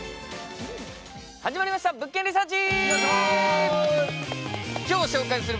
始まりました「物件リサーチ」！